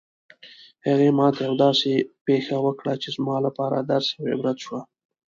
هغې ما ته یوه داسې پېښه وکړه چې زما لپاره درس او عبرت شوه